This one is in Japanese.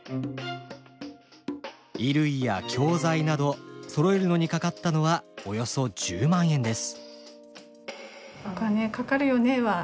衣類や教材などそろえるのにかかったのはおよそ１０万円です。